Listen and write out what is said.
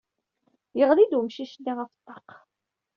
Yeɣli-d wemcic-nni ɣef ṭṭaq.